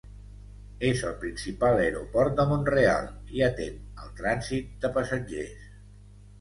És el principal aeroport de Mont-real, i atén al trànsit de passatgers.